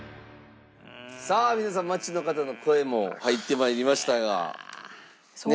さあ皆さん街の方の声も入って参りましたがねえ。